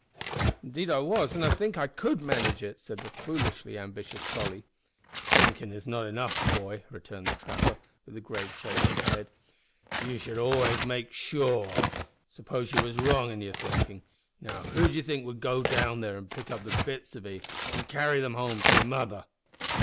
"Indeed I was, and I think I could manage it," said the foolishly ambitious Tolly. "Thinkin' is not enough, boy," returned the trapper, with a grave shake of the head. "You should always make sure. Suppose you was wrong in your thinkin', now, who d'ee think would go down there to pick up the bits of 'ee an' carry them home to your mother."